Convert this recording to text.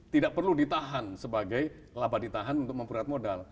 tidak perlu ditahan sebagai laba ditahan untuk mempererat modal